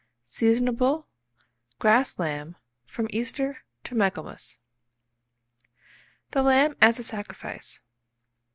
Seasonable, grass lamb, from Easter to Michaelmas. THE LAMB AS A SACRIFICE.